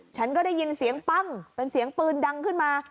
ฉันก็ได้ยินเสียงปั้งเป็นเสียงปืนดังขึ้นมา